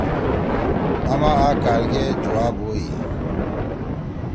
آما آ کال گے جُوا بُوئی۔